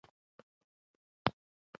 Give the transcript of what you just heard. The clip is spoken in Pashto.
غوږ ته باید وویل شي چې څنګه تلفظ وکړي.